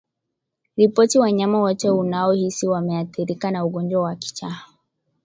Ripoti wanyama wote unaohisi wameathirika na ugonjwa wa kichaa